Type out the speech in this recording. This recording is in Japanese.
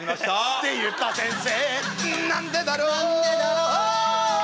って言った先生なんでだろうなんでだろう